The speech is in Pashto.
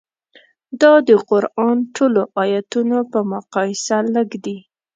دا د قران ټولو ایتونو په مقایسه لږ دي.